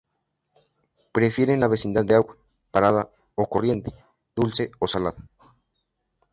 Prefieren la vecindad de agua, parada o corriente, dulce o salada.